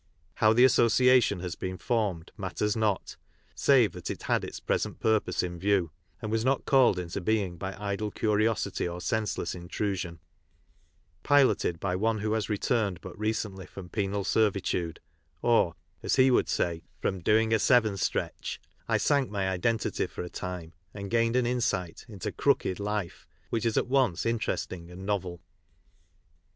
How the association has been formed matters not, save that it had its present purpose in view, and was not called into being by idle curiosity or senseless intrusion . Piloted by one who has returned but recently from penal servitude, or as he would say from. "doing a seven stretch," I sank my identity for a time, and gained an insight into " crooked" life which is at once interesting and novel.